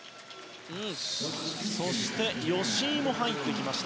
そして、吉井も入ってきました。